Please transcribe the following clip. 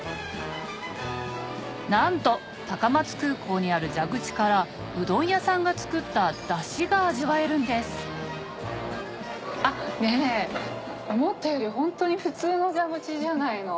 なんと高松空港にある蛇口からうどん屋さんが作った出汁が味わえるんですあっねぇ思ったよりホントに普通の蛇口じゃないの。